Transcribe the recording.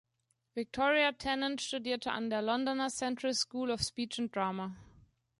Victoria Tennant studierte an der Londoner Central School of Speech and Drama.